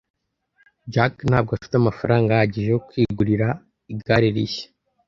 jack ntabwo afite amafaranga ahagije yo kwigurira igare rishya